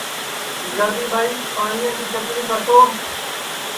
سِجادی ٻائی پاٹِؔیا کی چٹٹؔیں کرتو